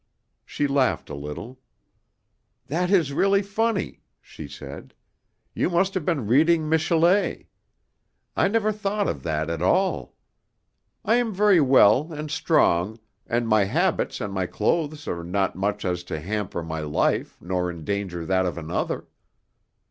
She laughed a little. "That is really funny," she said. "You must have been reading Michelet; I never thought of that at all. I am very well and strong, and my habits and my clothes are not such as to hamper my life nor endanger that of another.